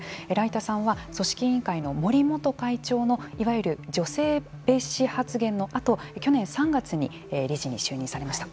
來田さんは組織委員会の森元会長のいわゆる女性蔑視発言のあと去年３月に理事に就任されました。